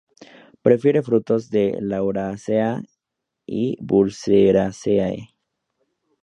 Prefiere frutos de "Lauraceae" y "Burseraceae".